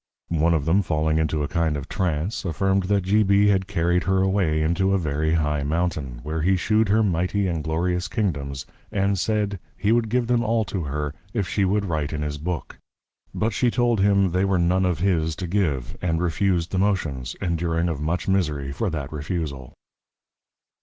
One of them falling into a kind of Trance, affirmed, that G. B. had carried her away into a very high Mountain, where he shewed her mighty and glorious Kingdoms, and said, He would give them all to her, if she would write in his Book; but she told him, They were none of his to give; and refused the Motions; enduring of much Misery for that refusal.